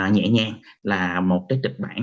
nhẹ nhàng là một cái trịch bản